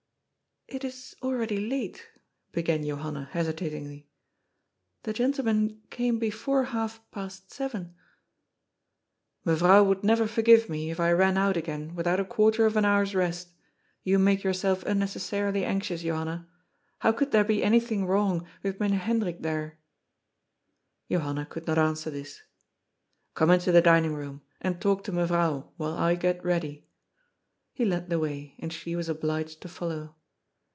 *' It is already late," began Johanna hesitatingly. The gentlemen came before half past seven "" Mevrouw would never forgive me, if I ran out again without a quarter of an hour's rest. You make yourself un^ necessarily anxious, Johanna. How could there be anything wrong, with Mynheer Hendrik there ?" Johanna could not answer this. " Come into the dining room — and talk to Mevrouw, while I get ready." He led the way, and she was obliged to follow.